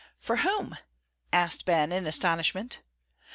"For whom?" asked Ben, in astonishment.